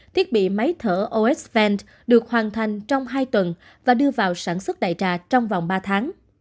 thiết bị máy thở osvent được hoàn thành trong hai tuần và đưa vào sản xuất đại trà trong vòng ba tháng